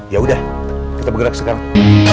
ya udah bergerak sekarang